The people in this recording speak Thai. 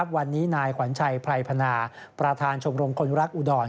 วันนี้นายขวัญชัยไพรพนาประธานชมรมคนรักอุดร